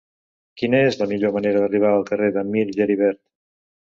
Quina és la millor manera d'arribar al carrer de Mir Geribert?